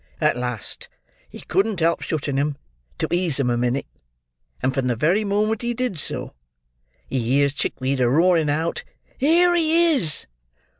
At last, he couldn't help shutting 'em, to ease 'em a minute; and the very moment he did so, he hears Chickweed a roaring out, 'Here he is!